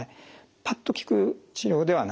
パッと効く治療ではない。